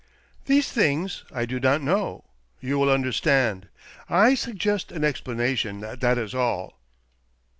These things I do not know, you will understand — I suggest an explanation, that is all.